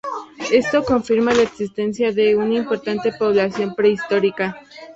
Esto confirma la existencia de una importante población prehistórica.